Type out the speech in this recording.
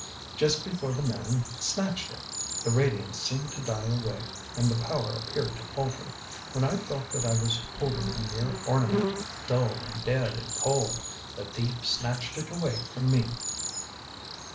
"Just before the man snatched it. The radiance seemed to die away, and the power appeared to falter. When I felt that I was holding a mere ornament, dull and dead and cold, the thief snatched it away from me."